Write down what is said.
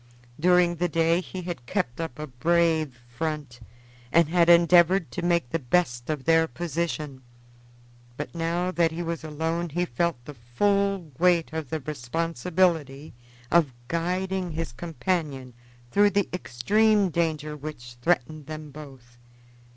During the day he had kept up a brave front and had endeavored to make the best of their position, but now that he was alone he felt the full weight of the responsibility of guiding his companion through the extreme danger which threatened them both.